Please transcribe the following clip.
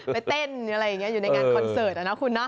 ไปเต้นอะไรอย่างนี้อยู่ในงานคอนเสิร์ตนะคุณเนาะ